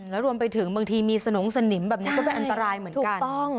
แล้วรวมไปถึงบางทีมีสนงสนิมแบบนี้ก็เป็นอันตรายเหมือนกัน